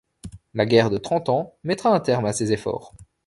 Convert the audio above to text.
La Guerre de Trente Ans mettra un terme à ses efforts.